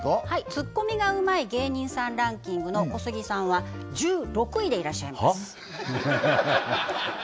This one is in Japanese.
ツッコミが上手い芸人さんランキングの小杉さんは１６位でいらっしゃいますはぁ！？